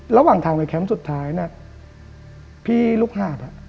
ระหว่างทางไปแคมป์สุดท้ายน่ะพี่ลูกหาด